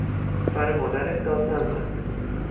سر مادرت داد نزن!